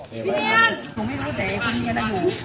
ผมไม่รู้แต่คุณเรียนอะไรอยู่